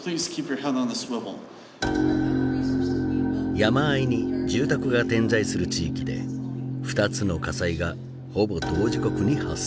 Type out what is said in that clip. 山あいに住宅が点在する地域で２つの火災がほぼ同時刻に発生。